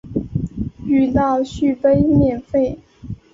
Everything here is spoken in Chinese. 遇到续杯免费